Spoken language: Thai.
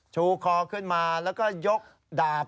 ชูคอขึ้นมาแล้วก็ยกดาบ